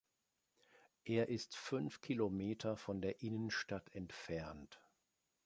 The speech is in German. Er ist fünf Kilometer von der Innenstadt entfernt.